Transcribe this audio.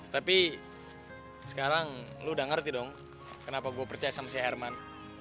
tapi sekarang lo udah ngerti dong kenapa gue percaya sama saya herman